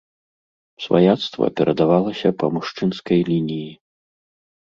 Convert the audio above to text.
Сваяцтва перадавалася па мужчынскай лініі.